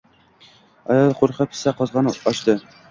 Ayol qoʻrqa-pisa qogʻozni ochdi